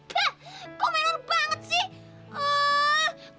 kok menurut banget sih